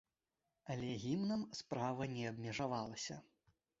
Але гімнам справа не абмежавалася.